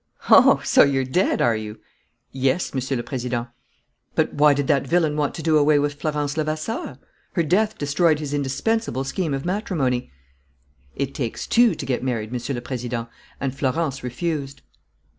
"Oh, so you're dead, are you?" "Yes, Monsieur le Président." "But why did that villain want to do away with Florence Levasseur? Her death destroyed his indispensable scheme of matrimony." "It takes two to get married, Monsieur le Président, and Florence refused."